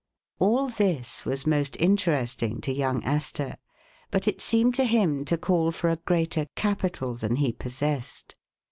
All this w^as most interesting to young Astor, but it seemed to him to call for a greater capital than he pos sessed.